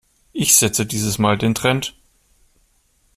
Ich setze dieses Mal den Trend.